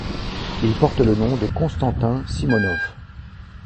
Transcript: Il porte le nom de Konstantin Simonov.